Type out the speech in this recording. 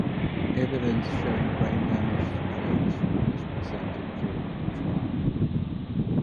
Evidence showing brain damage to Jones was presented during the trial.